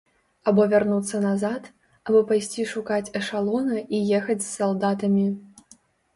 Або вярнуцца назад, або пайсці шукаць эшалона і ехаць з салдатамі.